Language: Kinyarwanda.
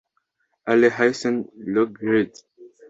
Allan Haines Loughead